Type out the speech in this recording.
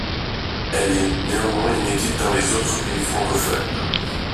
Elle est néanmoins inédite dans les autres pays francophones.